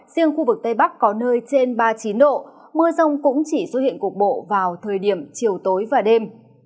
riêng khu vực tây bắc có nơi trên ba mươi chín độ mưa rông cũng chỉ xuất hiện cục bộ vào thời điểm chiều tối và đêm